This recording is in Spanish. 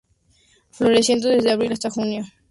Floreciendo desde abril hasta junio.